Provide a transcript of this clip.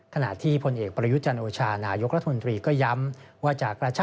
ขณะที่พลเอกประยุจรรย์โอชานายกรัฐมนตรีก็ย้ำว่า